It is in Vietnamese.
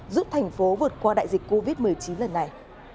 giúp thành phố vượt qua đại dịch covid một mươi chín lần này